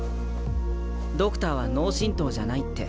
ドクターは脳震とうじゃないって。